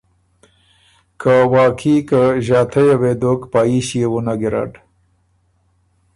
که واقعي که ݫاتئ یه وې دوک پا يي ݭيې وُنه ګیرډ۔